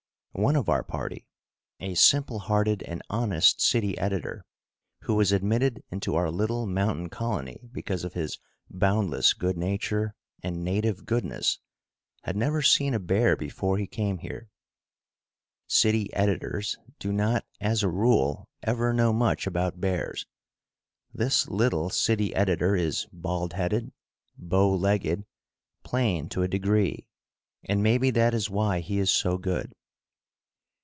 One of our party, a simple hearted and honest city editor, who was admitted into our little mountain colony because of his boundless good nature and native goodness, had never seen a bear before he came here. City editors do not, as a rule, ever know much about bears. This little city editor is baldheaded, bow legged, plain to a degree. And maybe that is why he is so good.